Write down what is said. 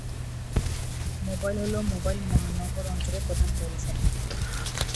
Mobile হল Mobile মহানগর অঞ্চলের প্রধান পৌরসভা।